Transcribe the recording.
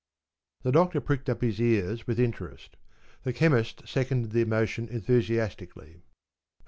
The Doctor pricked up his ears with interest. The Chemist seconded the motion enthusiastically.